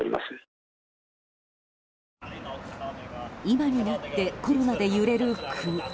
今になってコロナで揺れる国。